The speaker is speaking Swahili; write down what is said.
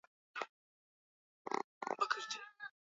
Sina pesa za kutosha sasa.